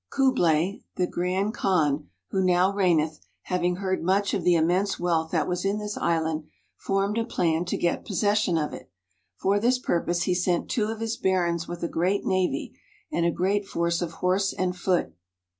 Cublay, the Grand Kaan, who now reigneth, having heard much of the immense wealth that was in this island, formed a plan to get possession of it. For this purpose he sent two of his barons with a great navy, and a great force of horse and foot.